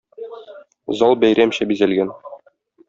Зал бәйрәмчә бизәлгән.